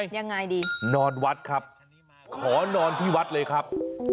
ยังไงดีนอนวัดครับขอนอนที่วัดเลยครับ